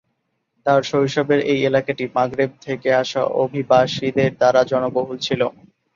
তার শৈশবের এই এলাকাটি মাগরেব থেকে আসা অভিবাসীদের দ্বারা জনবহুল ছিল।